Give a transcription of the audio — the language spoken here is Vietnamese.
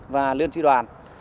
và liên tri đoàn